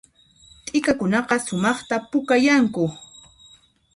T'ikakunaqa sumaqta pukayanku